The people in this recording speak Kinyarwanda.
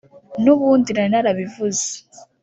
nubundi nari narabivuze